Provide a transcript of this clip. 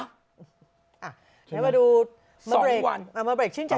เขามาดูล่อง